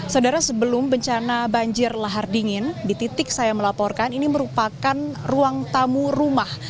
saudara sebelum bencana banjir lahar dingin di titik saya melaporkan ini merupakan ruang tamu rumah